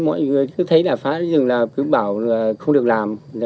mọi người cứ thấy là phá rừng là cứ bảo là không được làm